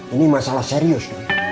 ini masalah serius